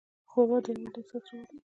ښوروا د یووالي احساس راولي.